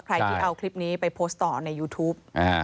ใครที่เอาคลิปนี้ไปโพสต์ต่อในยูทูป